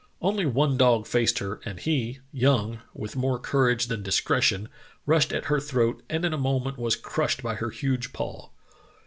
Only one dog faced her, and he, young, with more courage than dis cretion, rushed at her throat and in a moment was crushed by her huge paw.